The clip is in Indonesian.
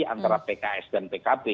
antara pks dan pkb